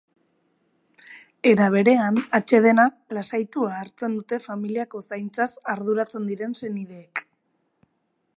Era berean, atsedena, lasaitua hartzen dute familiko zaintzaz arduratzen diren senideek.